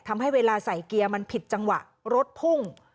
ทำให้เวลาใส่เกียร์มันผิดจังหวะรถพุ่ง